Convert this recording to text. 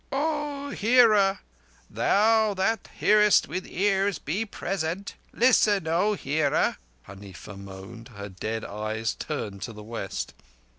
"O Hearer! Thou that hearest with ears, be present. Listen, O Hearer!" Huneefa moaned, her dead eyes turned to the west.